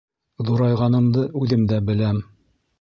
Ҙурайғанымды үҙем дә беләм.